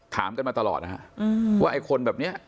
ถามกันมาตลอดนะฮะว่าไอ้คนแบบนี้